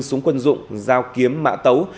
súng quân dụng dao kiếm mã tấu